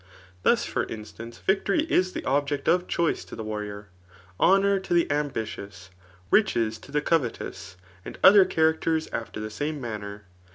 Thus, for instance, victory is the object (^ idbtoioe to the warrior ; honour to the ambitious ; richos to the covetous ; and other chaiacters after ihe same goanner.